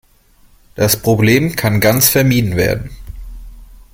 Das Problem kann ganz vermieden werden.